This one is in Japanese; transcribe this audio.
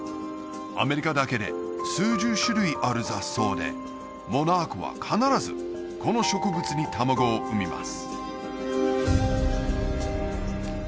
アメリカだけで数十種類ある雑草でモナークは必ずこの植物に卵を産みます